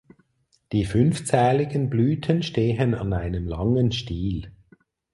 Die fünfzähligen Blüten stehen an einem langen Stiel.